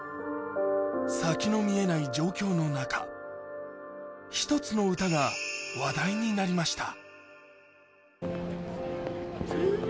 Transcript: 先の見えない状況の中、１つの歌が話題になりました。